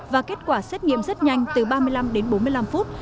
và kết quả xét nghiệm rất nhanh từ ba mươi năm đến bốn mươi năm phút